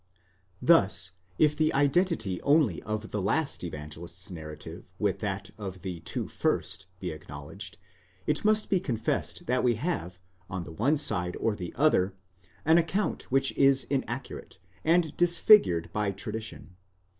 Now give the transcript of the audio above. Thus if the identity only of the last Evangelist's narrative with that of the two first be acknowledged, it must be confessed that we have, on the one side or the other, an account which is inaccurate, and disfigured by tradition.